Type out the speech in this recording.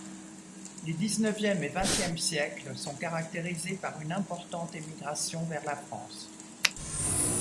Les dix-neuvième et vingtième siècles sont caractérisés par une importante émigration vers la France.